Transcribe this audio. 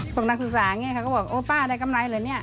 บางนักศึกษาก็ว่าโอ่ป่าได้กำไรหรือ